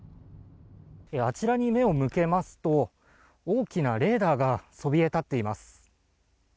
あちらに目を向けますと大きなレーダーがそびえ立っています。